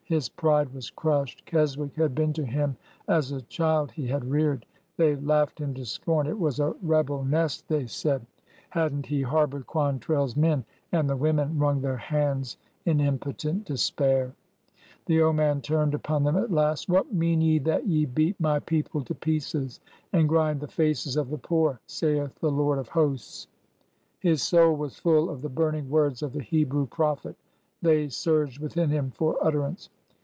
His pride was crushed. Kes \.ick had been to him as a child he had reared. They laughed him to scorn. It was a rebel nest, they said,— THE SACK OF KESWICK 283 had n't he harbored QuantrelFs men ? And the women wrung their hands in impotent despair. The old man turned upon them at last. ''' What mean ye that ye beat my people to pieces and grind the faces of the poor ? saith the Lord of hosts.' " His soul was full of the burning words of the Hebrew prophet. They surged within him for utterance.